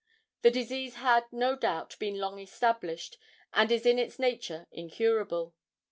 The disease had, no doubt, been 'long established, and is in its nature incurable.'